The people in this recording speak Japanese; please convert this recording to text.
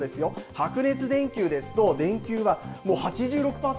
白熱電球ですと、電球はもう８６％